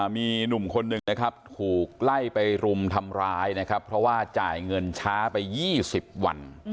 มีหนุ่มคนหนึ่งถูกไล่ไปรุมทำร้ายเพราะว่าจ่ายเงินช้าไป๒๐วัน